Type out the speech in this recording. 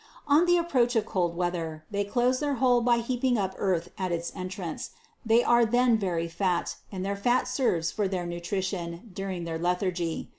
On the approach of cold weather, they close their hole by heaping up earth at its entrance ; they are then very fat, and their fat serves for their nutrition during their lethargy.